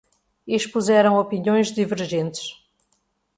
Expuseram opiniões divergentes